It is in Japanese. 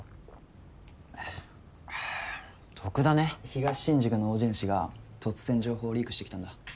東新宿の大地主が突然情報をリークしてきたんだ。